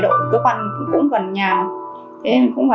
đồng chí ở đại đội cơ quan cũng gần nhà cũng vào nhà bảo là đập cửa vậy